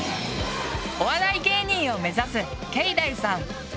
お笑い芸人を目指すけいだいさん。